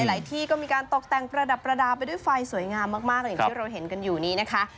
หลายที่ก็มีการตกแต่งประดับประดาษไปด้วยไฟสวยงามมากอย่างที่เราเห็นกันอยู่นี้นะคะ